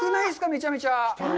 めちゃめちゃ。